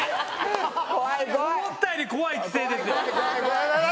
思ったより怖い奇声ですよ。